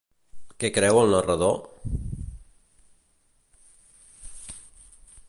Què creu el narrador?